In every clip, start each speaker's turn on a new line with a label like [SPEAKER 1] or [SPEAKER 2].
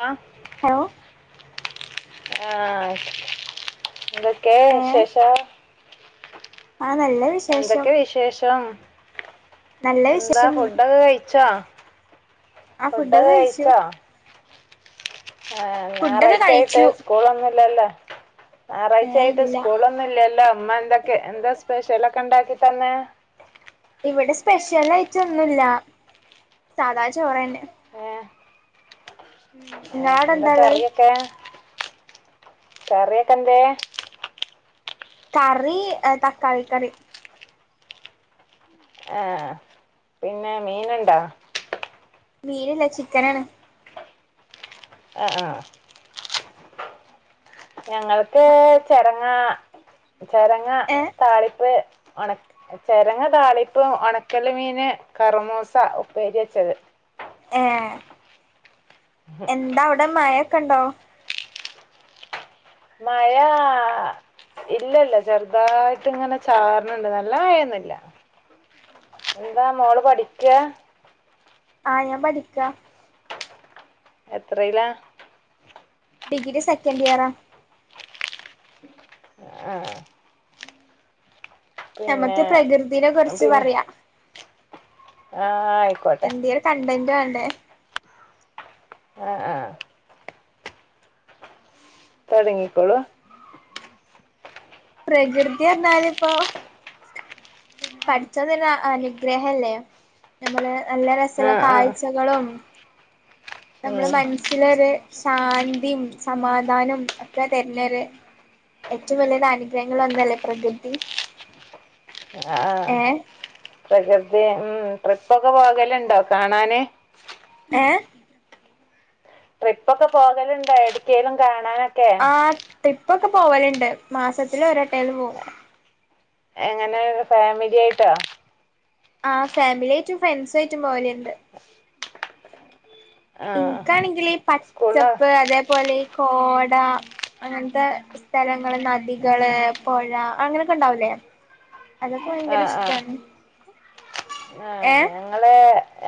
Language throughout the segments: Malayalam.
[SPEAKER 1] ആ
[SPEAKER 2] ഹലോ
[SPEAKER 1] ആഹ എന്തൊക്കെ
[SPEAKER 2] ഏ
[SPEAKER 1] വിശേഷം
[SPEAKER 2] ആ നല്ല വിശേഷം
[SPEAKER 1] എന്തൊക്കെ വിശേഷം
[SPEAKER 2] നല്ല
[SPEAKER 1] എന്താ
[SPEAKER 2] വിശേഷം
[SPEAKER 1] ഫുഡൊക്കെ കഴിച്ചോ
[SPEAKER 2] ആ
[SPEAKER 1] ഫുഡൊക്കെ
[SPEAKER 2] കഴിച്ചു
[SPEAKER 1] കഴിച്ചോ ആ
[SPEAKER 2] ഫുഡൊക്കെ
[SPEAKER 1] ഞായറാഴ്ച ആയിട്ട്
[SPEAKER 2] കഴിച്ചു
[SPEAKER 1] സ്കൂളൊന്നും ഇല്ലല്ലോ ഞായറാഴ്ച
[SPEAKER 2] ഏ
[SPEAKER 1] ആയിട്ട്
[SPEAKER 2] ഇല്ല
[SPEAKER 1] സ്കൂളൊന്നും ഇല്ലല്ലോ അമ്മ എന്തൊക്കെ എന്താ സ്പെഷ്യല് ഒക്കെ ഒണ്ടാക്കിതന്നെ
[SPEAKER 2] ഇവിടെ സ്പെഷ്യൽ ആയിട്ടൊന്നുല്ല സാധാ ചോറ്ന്നെ
[SPEAKER 1] ഏഹ് ആ
[SPEAKER 2] നിങ്ങളവിടെ എന്താ ഉള്ളത്
[SPEAKER 1] എന്തൊകറിയൊക്കെ കറിയൊക്കെ എന്തെ
[SPEAKER 2] കറി തക്കാളി കറി
[SPEAKER 1] ആഹ പിന്നെ മീന്ണ്ടാ
[SPEAKER 2] മീനില്ല ചിക്കനാണ്
[SPEAKER 1] ആഹ ആഹ ഞങ്ങൾക്ക് ചെരങ്ങാ ചെരങ്ങ
[SPEAKER 2] ഏ
[SPEAKER 1] താളിപ്പ് ഒണ ചെരങ്ങ താളിപ്പ് ഒണക്കല് മീന് കറമൂസ ഉപ്പേരി വെച്ചത്
[SPEAKER 2] ഏ എന്താ അവിടെ മഴൊക്കെ ഉണ്ടോ
[SPEAKER 1] മഴാ ഇല്ല ഇല്ല ചെറുതായിട്ട് ഇങ്ങനെചാർ നിണ്ട് നല്ലാമഴയൊന്നില്ല എന്താ മോള് പഠിക്ക
[SPEAKER 2] ആഹ് ഞാൻ പഠിക്കാ
[SPEAKER 1] എത്രയിലാ
[SPEAKER 2] ഡിഗ്രി സെക്കൻ്റിയറാ
[SPEAKER 1] ആഹ്
[SPEAKER 2] നമക്ക് പ്രകൃതീന കുറിച്ച് പറയാ
[SPEAKER 1] ആഹ്
[SPEAKER 2] എന്ത്യേലൊര് കണ്ടന്റ് വേണ്ടേ
[SPEAKER 1] ആഹ് ആഹ് തൊടങ്ങിക്കോളുവ
[SPEAKER 2] പ്രകൃതി എന്നാലിപ്പൊ പടച്ചോൻ തരുന്ന അനുഗ്രഹല്ലേ നമ്മള് നല്ല
[SPEAKER 1] ആ
[SPEAKER 2] രസള്ള
[SPEAKER 1] ആ
[SPEAKER 2] കാഴ്ചകളും നമ്മള്
[SPEAKER 1] ഉം.
[SPEAKER 2] മനസ്സിലൊര് ശാന്തിയും സമാധാനോം ഒക്കെ തര്ണൊര് ഏറ്റവും വല്യൊരനുഗ്രഹങ്ങളിലൊന്നല്ലേ പ്രകൃതി
[SPEAKER 1] ആ
[SPEAKER 2] ഏഹ്
[SPEAKER 1] പ്രകൃതി ഉം ട്രിപ്പൊക്കെ പോകല്ണ്ടോ കാണാന്
[SPEAKER 2] ഏഹ്
[SPEAKER 1] ട്രിപ്പൊക്കെ പോകല്ണ്ടോ എവിടെക്കേലും കാണാനൊക്ക്
[SPEAKER 2] ആഹ് ട്രിപ്പൊക്കെ പോവല്ണ്ട് മാസത്തിലൊരട്ടേലും പോവും
[SPEAKER 1] എങ്ങനെ ഫാമിലിയായിട്ടാ
[SPEAKER 2] ആഹ് ഫാമിലിയായിട്ടും ഫ്രണ്ട്സായിട്ടും പോവലിണ്ട്
[SPEAKER 1] ആ
[SPEAKER 2] എനിക്കാണെങ്കിലീ
[SPEAKER 1] സ്കൂൾന്ന്
[SPEAKER 2] പച്ചപ്പ് അതേപോലെ ഈ കോട അങ്ങൻത്തെ സ്ഥലങ്ങള് നദികള് പൊഴ അങ്ങനൊക്കെണ്ടാവൂലേ
[SPEAKER 1] ആഹ് ആഹ് ആഹ്
[SPEAKER 2] ഏ
[SPEAKER 1] ഞങ്ങള്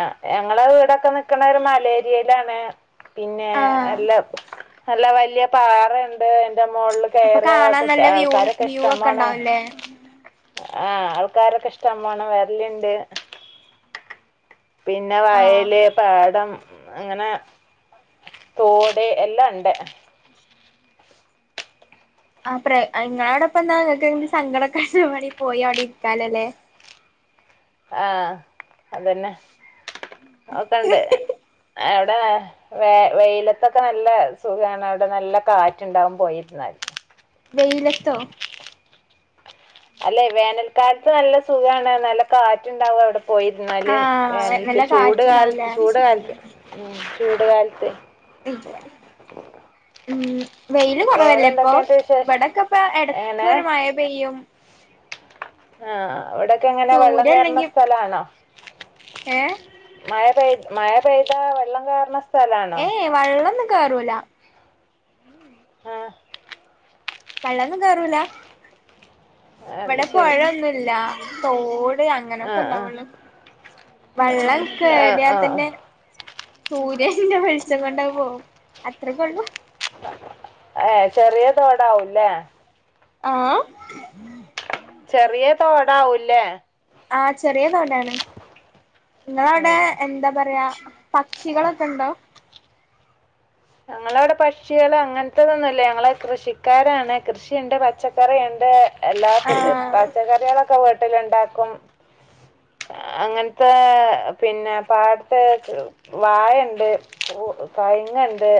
[SPEAKER 1] ആഹ് ഞങ്ങള വീടൊക്കെ നിക്കണ ഒരു മലേരിയേലാണ് പിന്നെ
[SPEAKER 2] ആഹ്
[SPEAKER 1] എല്ലം നല്ല വല്യ പാറയു ണ്ട് എന്റ മോളില്
[SPEAKER 2] അപ്പൊ
[SPEAKER 1] കേറാ
[SPEAKER 2] കാണാൻ
[SPEAKER 1] കുട്ട്യ
[SPEAKER 2] നല്ല വ്യൂ
[SPEAKER 1] ആൾക്കാരൊക്കെ
[SPEAKER 2] വ്യൂ ഒക്കെ
[SPEAKER 1] ഇഷ്ടമാണ്
[SPEAKER 2] ഉണ്ടാവുംല്ലേ
[SPEAKER 1] ആഹ് ആൾക്കാരൊക്ക ഇഷ്ടം പോണ വരല്ണ്ട് പിന്നെ
[SPEAKER 2] ആഹ്
[SPEAKER 1] വയല് പാടം അങ്ങനെ തോട് എല്ലാ ഇണ്ട്
[SPEAKER 2] ആത്രേ ആഹ് ഇങ്ങളോടപ്പെന്താ ഇങ്ങക്ക് സങ്കടൊക്കെ വരുമ്പലീ പോയി അവിടെ ഇരിക്കാലല്ലേ
[SPEAKER 1] ആഹ് അതന്നെ ഒക്കെണ്ട് എവട് ടേ വേ വെയിലത്തൊക്കെ നല്ല സുഖാണ് അവടെ നല്ല കാറ്റ്ണ്ടാവും പോയിരുന്നാല്
[SPEAKER 2] വെയിലത്തോ
[SPEAKER 1] അല്ലേ വേനൽക്കാലത്ത് നല്ല സുഖാണ് നല്ല കാറ്റുണ്ടാവു അവടെ പ് പോയിരുന്നാല്
[SPEAKER 2] ആഹ് നല്ല
[SPEAKER 1] വേനൽക്ക് ചൂട്
[SPEAKER 2] കാറ്റുണ്ടാവൂലേ
[SPEAKER 1] കാലത്ത് ചൂട് കാലത്ത് ഉം ചൂട് കാലത്ത്
[SPEAKER 2] [unintelligible] വെയില്
[SPEAKER 1] വേറെ
[SPEAKER 2] കൊറവല്ലേപ്പോ
[SPEAKER 1] എന്തൊക്കെയുണ്ട് വിശേഷം
[SPEAKER 2] ഇവടെക്കെപ്പ എടക്കൊരു മയ പെയ്യും
[SPEAKER 1] ആഹ് അവടെ ക്കെങ്ങനെ വെള്ളം
[SPEAKER 2] സൂര്യ
[SPEAKER 1] കേറണ
[SPEAKER 2] അല്ലെങ്കിൽ
[SPEAKER 1] സ്ഥലാണോ
[SPEAKER 2] ഏ
[SPEAKER 1] മഴെ പെയ് മഴ പെയ്താ വെള്ളം കേറണ സ്
[SPEAKER 2] ഏയ് വള്ളൊന്നും കേറൂല
[SPEAKER 1] ആ
[SPEAKER 2] വെള്ളൊന്നും കേറൂല
[SPEAKER 1] അത്
[SPEAKER 2] ഇവടെ
[SPEAKER 1] ശരി
[SPEAKER 2] പൊഴയൊന്നുല്ല തോട്
[SPEAKER 1] ആ
[SPEAKER 2] അങ്ങനൊക്കെ ഇണ്ടാവൊള്ളു വെള്ളം
[SPEAKER 1] ആ
[SPEAKER 2] കേറിയാ
[SPEAKER 1] ആ ആ
[SPEAKER 2] തന്നെ സൂര്യന്റെ വെളിച്ചം കൊണ്ടത് പോവും അത്രക്കൊള്ളു
[SPEAKER 1] ഏഹ് ചെറിയ തോടാവൂല്ലേ
[SPEAKER 2] ആഹ
[SPEAKER 1] ചെറിയ തോടാവൂല്ലേ
[SPEAKER 2] ആഹ ചെറിയ തോണ്ടാണ് നിങ്ങളവിടെ
[SPEAKER 1] ഉം
[SPEAKER 2] എന്താ പറയാ പക്ഷികളൊക്കെ ഉണ്ടോ
[SPEAKER 1] ഞങ്ങളവിടെ പക്ഷികൾ അങ്ങനത്തതൊന്നുംല്ല ഞങ്ങള് കൃഷിക്കാരാണ് കൃഷിയുണ്ട് പച്ചക്കറിയുണ്ട് എല്ലാ
[SPEAKER 2] ആഹ്
[SPEAKER 1] പച്ചക്കറികളൊക്കെ വീട്ടിലുണ്ടാക്കും അങ്ങനത്തെ പിന്നെ പാടത്തെ വായണ്ട് അണ്ട്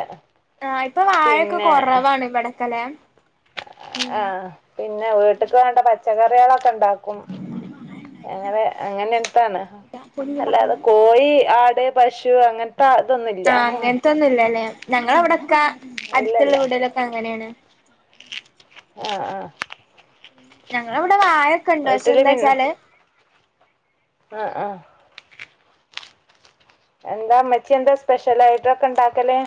[SPEAKER 2] ആ് ഇപ്പൊ വാഴൊക്കെ കുറവാണ് ഇവിടക്കലെ
[SPEAKER 1] ആഹ പിന്നെ വീട്ട്ക്ക് വേണ്ട പച്ചക്കറികളൊക്കെ ഉണ്ടാക്കും. അങ്ങനെ അങ്ങനെ എനത്താണ്
[SPEAKER 2] ഇതാ പൊന്നു
[SPEAKER 1] അല്ലാതെ
[SPEAKER 2] പറയല്
[SPEAKER 1] കോഴി, ആട്, പശു, അങ്ങനെ
[SPEAKER 2] ആഹ അങ്ങനത്തൊന്നുമല്ലല്ലേ. ഞങ്ങളവിടെക്കെ അടുത്തുള്ള
[SPEAKER 1] ഇല്ലല്ല
[SPEAKER 2] വീടിലൊക്കെ അങ്ങനെയാണ്.
[SPEAKER 1] ആഹ ആഹ
[SPEAKER 2] ഞങ്ങളവിടെ വായൊക്കെ ഉണ്ട്. പക്ഷെ എന്താ ച്ചാല്
[SPEAKER 1] ആഹ ആഹ എന്താ അമ്മച്ചി എന്താ സ്പെഷ്യൽ ആയിട്ടൊക്കെ ഇണ്ടാക്കല്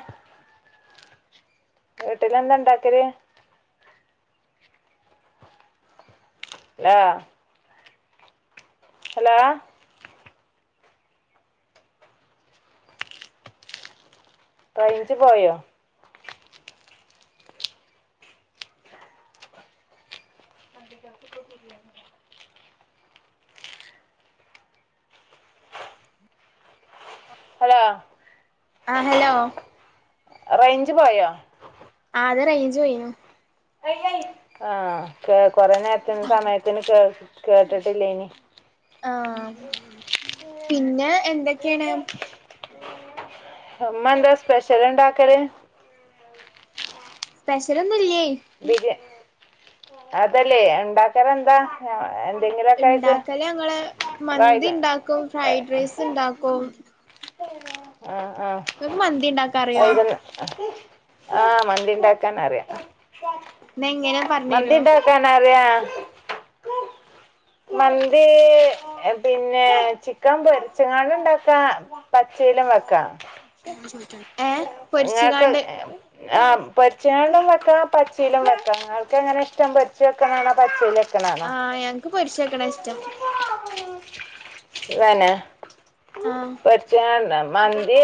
[SPEAKER 1] വീട്ടിലന്താ ഉണ്ടാക്കല്. ല്ലോ. ഹലോ റയിൻഞ്ച് പോയോ. ഹലോ
[SPEAKER 2] ആഹ ഹലോ
[SPEAKER 1] റയിൻഞ്ച് പോയോ.
[SPEAKER 2] ആ അത റയിൻഞ്ച് പോയിനു
[SPEAKER 1] ആഹ കേ കൊറെ നേരത്തസമയത്തിന് കേ കേട്ടിട്ടില്ലഇനി.
[SPEAKER 2] ആഹ പിന്നെ എന്തൊക്കെയാണ്.
[SPEAKER 1] ഉമ്മ എന്താ സ്പെഷ്യൽ ഉണ്ടാക്കല്.
[SPEAKER 2] സ്പെഷല ഒന്നുംല്ലേ.
[SPEAKER 1] ബിരിയ അതല്ലേ ഉണ്ടാക്കല്.
[SPEAKER 2] ഉണ്ടാക്കല്ലേ അങ്ങെ
[SPEAKER 1] വൈക
[SPEAKER 2] മന്തി ഉണ്ടാക്കും. ഫ്രൈഡ് റൈസ് ഉണ്ടാക്കും. ഓൺ [unintelligible]
[SPEAKER 1] ആഹ
[SPEAKER 2] ഇണ്ടാക്കാ
[SPEAKER 1] ആ
[SPEAKER 2] അറിയോ
[SPEAKER 1] വൈകു ആഹ് മന്തി ഉണ്ടാക്കാൻ അറിയാം.
[SPEAKER 2] ന്നാ എങ്ങനെ
[SPEAKER 1] മന്തി
[SPEAKER 2] പറഞ്ഞരോ
[SPEAKER 1] ഉണ്ടാക്കാന [unintelligible]
[SPEAKER 2] ഉ
[SPEAKER 1] മന്തി പിന്നെ ചിക്കൻ പൊരിച്ചങ്ങാണ്ട ഉണ്ടാക്കാ പച്ചയിലും വെക്കാം
[SPEAKER 2] ഏഹ്
[SPEAKER 1] നിങ്ങക്ക്
[SPEAKER 2] പൊരിച്ച്കാണ്ട്
[SPEAKER 1] ആഹ പൊരിച്ചണ്ടും വെക്ക പച്ചയിലും വെക്കാം ങ്ങക്ക് എങ്ങനെ ഇഷ്ടം പൊച്ച വെക്കാനണോ പച്ചൽ
[SPEAKER 2] ആഹ ഞങ്ങക്ക് പൊരിശ വക്കണ ഇഷ്ടം.
[SPEAKER 1] വേനെ
[SPEAKER 2] ആഹ
[SPEAKER 1] ആ മന്തി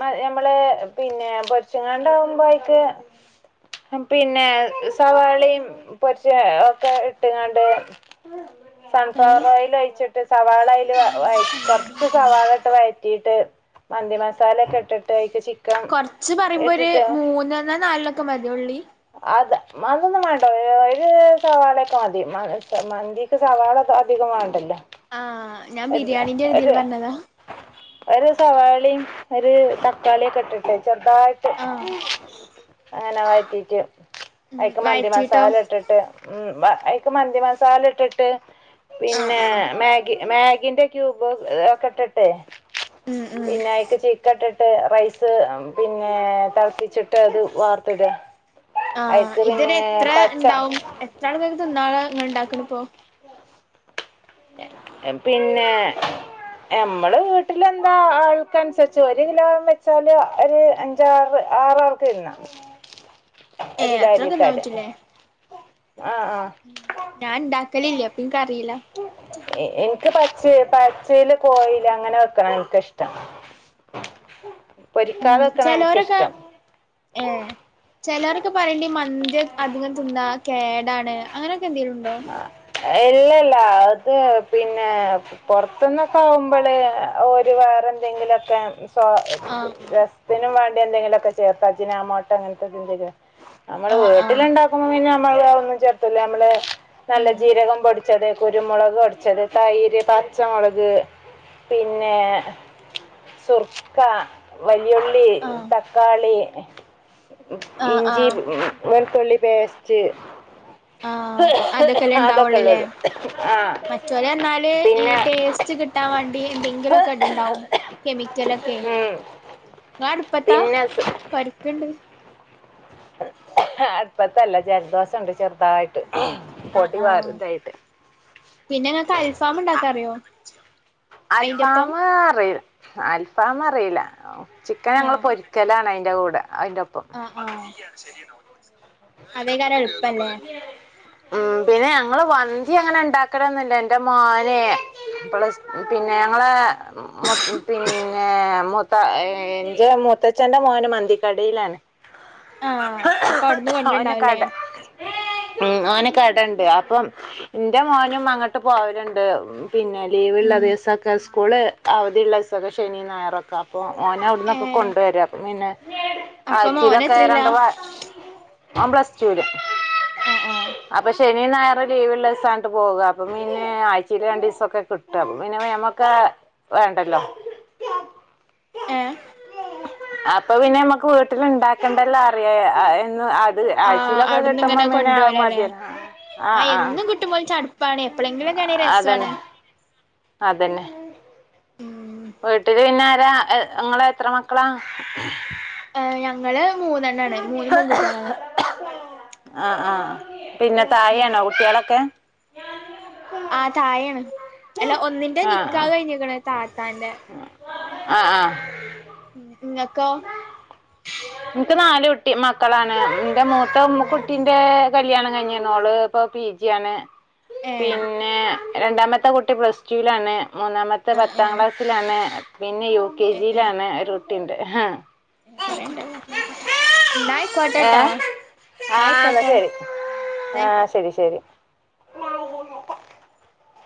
[SPEAKER 1] നഞമ്മള് പിന്നെ പൊരിച്ചു ങ്ങാണ്ട ആവുമ്പോ അയിക്ക് പിന്നെ സവാളിയും പൊരിച്ച് ഒക്കെ ഇട്ട്ങ്ങണ്ട് സൺഫ്ലവർ
[SPEAKER 2] ഏഹ്
[SPEAKER 1] ഓയിൽ വഴിച്ചിട്ട് സവാളയിൽ വ കുറച്ച് സവാള ഇട്ട് വഴ [unintelligible] മന്തി മസാലൊക്കെ ഇട്ടിട്ട് അയിക്ക് ചി
[SPEAKER 2] കൊറച്ച് പറയുമ്പോ ഒര് മൂന്നണോ നാലനൊക്കെ മതി ഉള്ളി
[SPEAKER 1] അത് അതൊന്നും വേണ്ട ഒര്സവാളേക്കെ മതി മ മന്തിക്ക് സവാള അധികം വേണ്ടല്ലോ
[SPEAKER 2] ആ
[SPEAKER 1] ഒര്ഒര്ഒരു സവാളി ഒരു തക്കാളിയൊക്കെ ഇട്ട് ട്ട്ചെറുതായിട്ട്
[SPEAKER 2] ആഹ്
[SPEAKER 1] അങ്ങനെ വഴറ്റിട്ട്
[SPEAKER 2] ഉം
[SPEAKER 1] അയിക്ക് മന്തി
[SPEAKER 2] വഴറ്റീട്ടോ
[SPEAKER 1] മസാല ഇട്ടിട്ട് ഉ ബ അയിക്ക് മന്തി മസാല ഇട്ടിട്ട്
[SPEAKER 2] ആഹ്
[SPEAKER 1] പിന്നെ
[SPEAKER 2] ആഹ്
[SPEAKER 1] മാഗി മാഗി ന്റെ ക്യൂബ് ഒക്കെ ഇ ട്ട്
[SPEAKER 2] ഉം ഉം
[SPEAKER 1] ട്ടെപിന്നെഅയിക് ചിക്കട്ട് ട്ടെറൈസ് പിന്നെ തിളപ്പി ച്ചിട്ട് അത് വാർത്ത്ടാ
[SPEAKER 2] ആ ഇതന് എത്ര ഇണ്ടാവും എത്ര ആൾക്ക തിന്നാള അ ഇണ്ടാക്കണ ഇപ്പോ
[SPEAKER 1] പിന്നെ നമ്മള് വീട്ടില എന്താ ആൾക്ക അനുസരിച്ചു ഒരു കിലോ വെച്ചാല് ഒരു അഞ്ചാറ് ആറാൾക്ക് തിന്നാ
[SPEAKER 2] ഏ അത്രൊക്കെ ന്നാ പറ്റുല്ലേ
[SPEAKER 1] ആഹ് ആഹ്
[SPEAKER 2] ഉ ഞാൻ ഉണ്ടാക്കല് ല്ലഅപ്പ ഇനക്ക്റിയില്ല
[SPEAKER 1] എ നിക്ക് പച്ച പച്ചയില് കോയീല് അങ്ങനെ വെക്ക്ണാഇൻക്ക്ഷ്ടം പെരിക്കാതെ വെക്ക് ണാഇൻക്ക്ഷ്ടം
[SPEAKER 2] ഏ ചെലോരെക്കെ പറയ്ണ്ട് ഇ മന്തിഅധികംതിന്നാ കേടാണ് അങ്ങനെക്കെ എന്തെലും ഉണ്ടോ
[SPEAKER 1] ഇല്ലല്ല അത് പിന്നെ പൊറത്ത്ന്നൊക്കെ ആകുമ്പോള് ഓര് വേറെന്തെങ്കിലൊക്കെ സ
[SPEAKER 2] ആഹ്
[SPEAKER 1] രസത്തിനും വാണ്ടി എന്തെങ്കിലുമൊക്കെ ചേർത്ത് അജിന ആമോട്ട അങ്ങൻത്തന്തങ്കി നമ്മള്
[SPEAKER 2] ആഹ് ആഹ്
[SPEAKER 1] വീട്ടില്ഉണ്ടാക്കുമ്പോ പിന്നെ നമ്മള് ഒന്നും ചേർത്തല്ല നമ്മള് നല്ല
[SPEAKER 2] ഉം
[SPEAKER 1] ജീരകം പൊടിച്ചത് കുരുമുളക് പൊ ടിച്ചത് തൈര് പച്ചമുളക് പിന്നെ സുർക്ക വൽ വലി ഉള്ളി
[SPEAKER 2] ആഹ്
[SPEAKER 1] തക്കാളി
[SPEAKER 2] ആഹ്
[SPEAKER 1] ഇഞ്ചി
[SPEAKER 2] ആഹ്
[SPEAKER 1] വെള് തുള്ളി പേസ്റ്റ്
[SPEAKER 2] ആഹ്
[SPEAKER 1] അതൊക്കെള്ളുള്ളു
[SPEAKER 2] മറ്റോ ല് എന്നാല് ഈ ടേസ്റ്റ് കിട്ടാൻ വണ്ടി എന്തെങ്കിലൊക്കെ ഇട് ണ്ടാവും കെമിക്ക ലെക്കെ
[SPEAKER 1] ഉം,
[SPEAKER 2] ഇങ്ങാഅടുപ്പത്താ
[SPEAKER 1] പിന്നെ
[SPEAKER 2] കോരക്ക്ണ്ട്
[SPEAKER 1] അട്പത്തല്ല ജലദോ സം ണ്ട് ചെറുതായിട്ട്
[SPEAKER 2] ആ
[SPEAKER 1] പൊടി
[SPEAKER 2] ആ
[SPEAKER 1] വാറുതായിട്ട്
[SPEAKER 2] പിന്നെ ഇ ങ്ങക്ക് അൽ ഫാം ഉണ്ടാക്കാറിയോ
[SPEAKER 1] അൽഫാമ്അറില്ല അൽഫാമ്അറില്ല ചിക്കൻ ഞങ്ങൾ പൊരിക്കലാണ് അയിന്റെ കൂടെ അതിൻ്റെ ഒപ്പം
[SPEAKER 2] ആ ആഅതേ കാരം എളുപ്പല്ലേ
[SPEAKER 1] ഉ പിന്നെ ഞങ്ങള് വന്തി അങ്ങനെ ഉണ്ടാക്കലൊന്നുല്ല ന്റെ മോനെ പിന്നെ ഞങ്ങള് മെ പിന്നെ എന്റെ മുത്തച്ഛന്റെറെ മോന് മന്തിക്കടയിലാണ്
[SPEAKER 2] ആ അപ്പൊ അവിടുന്ന് കൊണ്ട്
[SPEAKER 1] ഓന് കട ഉ ഓന്കടണ്ട് അപ്പം ഇന്റെ മോനും അങ്ങട്ട് പോവല്ണ്ട് പിന്നെ ലീവ്ള്ള
[SPEAKER 2] ഉം
[SPEAKER 1] ദിവസൊക്കെ സ്കൂള് അവധിയുള്ള ദിവസൊക്കെ ശനീ ഞായറെക്കെ അപ്പൊ മോന്അവിടന്നൊക്കെ
[SPEAKER 2] ഏഹ്
[SPEAKER 1] കൊണ്ടുവരാ അപ്പംപിന്നെ
[SPEAKER 2] അപ്പൊ
[SPEAKER 1] ആച്ചയിലൊക്കെ
[SPEAKER 2] മോനെത്രയിലാ
[SPEAKER 1] രണ്ട് വ ഓന് പ്ലസ് ടൂല്
[SPEAKER 2] ആ ആ
[SPEAKER 1] ശനി ഞായറും ലീവുള്ള സം അങ്ങട്ട് പോവ അപ്പംപിന്നെ ആഴ്ച്ചയി രണ്ടീസൊക്കെ കിട്ടും അപ്പംപിന്നെ നമ്മക്ക് വേണ്ടല്ലോ
[SPEAKER 2] ഏ
[SPEAKER 1] അപ്പൊ പിന്നെ നമ്മുക്ക് വീട്ടിൽ ഉണ്ടാക്കേണ്ടല്ലാം അറിയന്ന്
[SPEAKER 2] ആഹ അവിടന്ന് ഇങ്ങനെ കൊണ്ടുപോലല്ലേ
[SPEAKER 1] മതിയല്ലോ ആ
[SPEAKER 2] ആഹ
[SPEAKER 1] ആ
[SPEAKER 2] എന്നും കുട്ടും പോല ചടുപ്പാണ് എപ്പോഴെങ്കിലൊക്കെയണ രസമാണ്
[SPEAKER 1] അതന്നെ അതന്നെ അ എ ഇങ്ങളെത്ര മക്കളാ
[SPEAKER 2] ഏ ഞങ്ങള് മൂന്നെണ്ണാണ് മൂന്ന് പെൺകുട്ട്യാളാണ്
[SPEAKER 1] ആ ആ പിന്നെ തായെയാണോ കുട്ട്യാളൊക്കെ
[SPEAKER 2] ആ തായേണ് അല്ല ഒന്നിന്റെ
[SPEAKER 1] ആ
[SPEAKER 2] നിക്കാഹ്
[SPEAKER 1] ആ
[SPEAKER 2] കയ്ഞ്ക്ക്ണ് താത്താന്റെ
[SPEAKER 1] അ ആ
[SPEAKER 2] ഉം ഇങ്ങക്കോ
[SPEAKER 1] നിക്ക് നലുട്ടി മക്കളാണ് ന്റെ
[SPEAKER 2] ഏഹ്
[SPEAKER 1] മൂത്തമ്കുട്ടിന്റെ കല്യാണം കഴിഞ്ക്ക്ണ് ഓള്പ്പൊ പി ജ്യാണ്
[SPEAKER 2] ഏഹ്
[SPEAKER 1] പിന്നെ രണ്ടാമത്തെ കുട്ടി പ്ലസ്ട്ടൂലാണ് മൂന്നാമത്തെ
[SPEAKER 2] ആഹ്
[SPEAKER 1] പത്താം
[SPEAKER 2] ആഹ്
[SPEAKER 1] ക്ലാസ്സിലാണ് പിന്നെ യു കെ ജിലാണ് ഒരു കുട്ടിണ്ട് ഏ
[SPEAKER 2] ന്നായ്ക്കോട്ടട്ടൊ.
[SPEAKER 1] ആ ന്ന ശരി ആ
[SPEAKER 2] ആയിക്കോട്ടെ
[SPEAKER 1] ശെരി ശെരി [unintelligible]